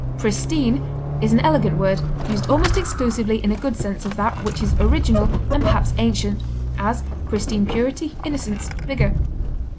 Pristine is an elegant word, used almost exclusively in a good sense of that which is original and perhaps ancient; as, pristine purity, innocence, vigor.